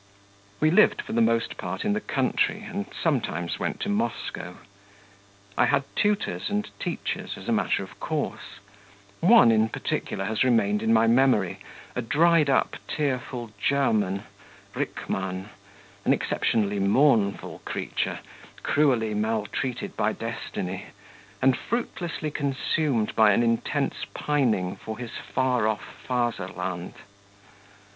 We lived for the most part in the country, and sometimes went to Moscow. I had tutors and teachers, as a matter of course; one, in particular, has remained in my memory, a dried up, tearful German, Rickmann, an exceptionally mournful creature, cruelly maltreated by destiny, and fruitlessly consumed by an intense pining for his far off fatherland.